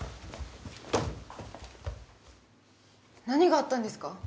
何があったんですか？